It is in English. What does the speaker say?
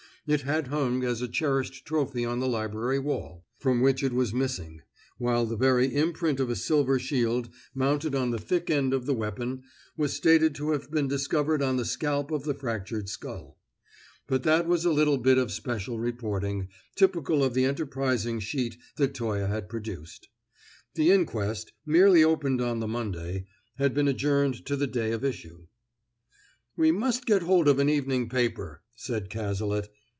It had hung as a cherished trophy on the library wall, from which it was missing, while the very imprint of a silver shield, mounted on the thick end of the weapon, was stated to have been discovered on the scalp of the fractured skull. But that was a little bit of special reporting, typical of the enterprising sheet that Toye had procured. The inquest, merely opened on the Monday, had been adjourned to the day of issue. "We must get hold of an evening paper," said Cazalet.